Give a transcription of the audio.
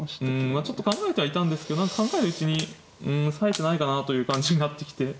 まあちょっと考えてはいたんですけど考えるうちにうんさえてないかなという感じになってきて。